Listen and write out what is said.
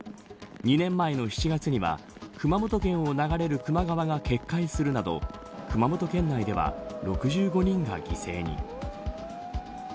２年前の７月には熊本県を流れる球磨川が決壊するなど熊本県内では６５人が犠牲に。